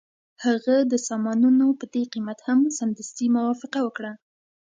هغه د سامانونو په دې قیمت هم سمدستي موافقه وکړه